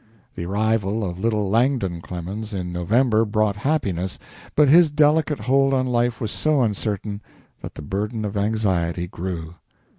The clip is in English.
The arrival of little Langdon Clemens, in November, brought happiness, but his delicate hold on life was so uncertain that the burden of anxiety grew.